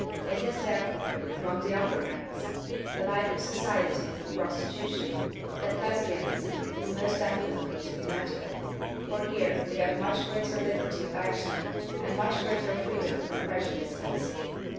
It is, therefore, among the upper ranks, alike of society and of prostitution, that Lesbianism is most definitely to be met with, for here we have much greater liberty of action, and much greater freedom from prejudices."